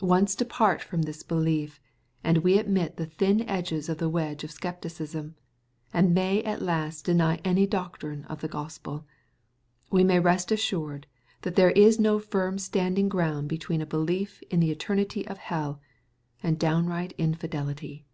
Once depart from this belief, and we admit the thin edge of the wedge of scepticism, and may at last deny any doctrine of the Gospel. We may rest assured that there is no firm standing ground between a belief in the eter nity of hell, and downright infidelity.